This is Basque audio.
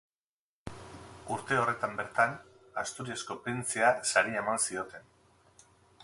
Urte horretan bertan, Asturiasko Printzea saria eman zioten.